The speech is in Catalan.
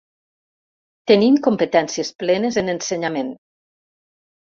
Tenim competències plenes en ensenyament.